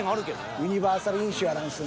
「ユニバ―サル・インシュアランス」の。